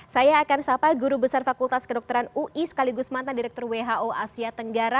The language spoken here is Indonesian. saya akan sapa guru besar fakultas kedokteran ui sekaligus mantan direktur who asia tenggara